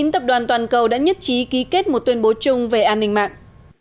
chín tập đoàn toàn cầu đã nhất trí ký kết một tuyên bố chung về an ninh mạng